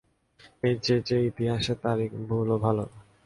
এর চেয়ে যে ইতিহাসের তারিখ ভুলও ভালো।